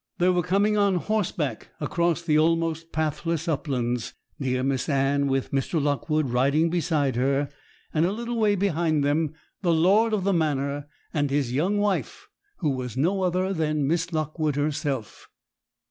They were coming on horseback across the almost pathless uplands; dear Miss Anne, with Mr. Lockwood riding beside her; and a little way behind them the lord of the manor and his young wife, who was no other than Miss Lockwood herself.